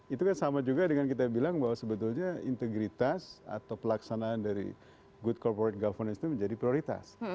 itu kan sama juga dengan kita bilang bahwa sebetulnya integritas atau pelaksanaan dari good corporate governance itu menjadi prioritas